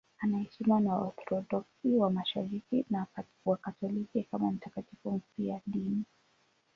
Anaheshimiwa na Waorthodoksi wa Mashariki na Wakatoliki kama mtakatifu mfiadini.